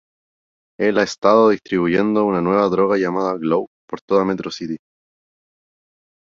Él ha estado distribuyendo una nueva droga llamada "Glow" por toda Metro City.